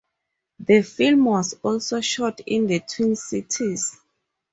The film was also shot in the Twin Cities.